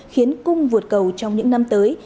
khiến cung vượt cầu trong những năm tới